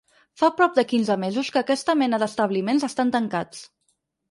Fa prop de quinze mesos que aquesta mena d’establiments estan tancats.